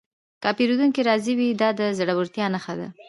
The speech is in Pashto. که پیرودونکی راضي وي، دا د زړورتیا نښه ده.